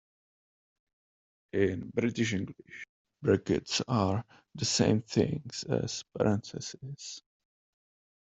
In British English, brackets are the same things as parentheses